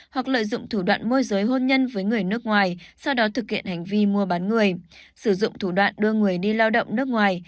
hoặc lợi dụng thủ đoạn môi giới hôn nhân với người nước ngoài sau đó thực hiện hành vi mua bán người sử dụng thủ đoạn đưa người đi lao động nước ngoài